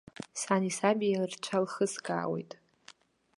Сани саби рцәа лхыскаауеит.